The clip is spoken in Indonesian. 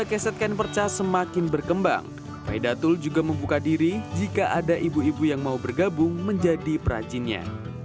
sejak kesehatan kain perca semakin berkembang vaidatul juga membuka diri jika ada ibu ibu yang mau bergabung menjadi perrajinnya